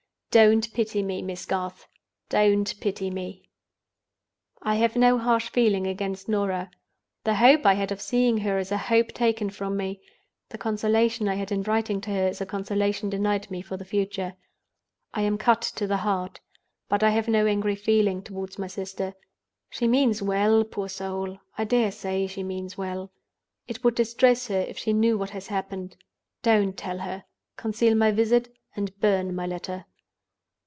Don't pity me, Miss Garth! Don't pity me! "I have no harsh feeling against Norah. The hope I had of seeing her is a hope taken from me; the consolation I had in writing to her is a consolation denied me for the future. I am cut to the heart; but I have no angry feeling toward my sister. She means well, poor soul—I dare say she means well. It would distress her, if she knew what has happened. Don't tell her. Conceal my visit, and burn my letter.